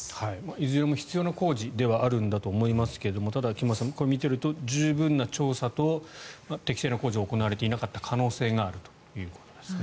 いずれも必要な工事ではあると思いますが菊間さん、見ていると十分な調査と適正な工事が行われていなかったということですね。